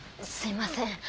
すいません。